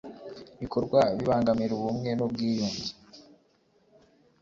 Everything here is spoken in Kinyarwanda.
bikorwa bibangamira ubumwe n ubwiyunge